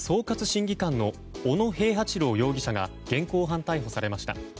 審議官の小野平八郎容疑者が現行犯逮捕されました。